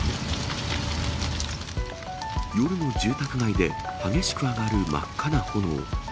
夜の住宅街で、激しく上がる真っ赤な炎。